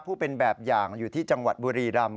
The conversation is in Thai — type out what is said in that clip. เป็นแบบอย่างอยู่ที่จังหวัดบุรีรำ